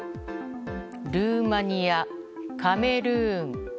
ルーマニア、カメルーン。